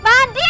aduh aduh aduh